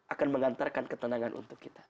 akan mengantarkan ketenangan untuk kita